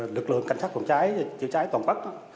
lực lượng cảnh sát phòng cháy chữa cháy toàn bắc